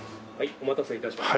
お待たせ致しました。